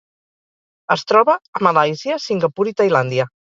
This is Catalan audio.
Es troba a Malàisia, Singapur i Tailàndia.